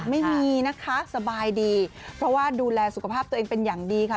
ไม่มีนะคะสบายดีเพราะว่าดูแลสุขภาพตัวเองเป็นอย่างดีค่ะ